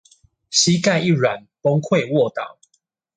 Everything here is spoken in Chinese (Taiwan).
膝蓋一軟崩潰臥倒